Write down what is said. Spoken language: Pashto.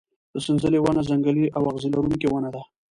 د سنځلې ونه ځنګلي او اغزي لرونکې ونه ده.